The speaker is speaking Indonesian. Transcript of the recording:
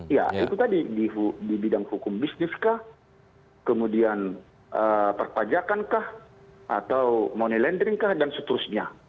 itu tadi di bidang hukum bisnis kemudian perpajakan ke atau money laundering dan seterusnya